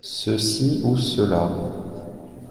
Ceci ou cela.